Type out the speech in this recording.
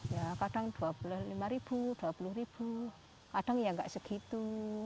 ya kadang dua puluh lima ribu dua puluh ribu kadang ya nggak segitu